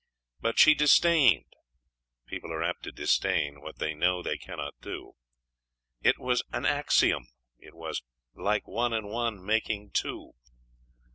But she disdained.... People are apt to disdain what they know they cannot do.... "It was an axiom," it was, "like one and one making two."....